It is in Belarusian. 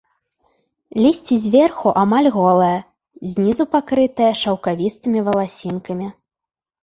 Лісце зверху амаль голае, знізу пакрытае шаўкавістымі валасінкамі.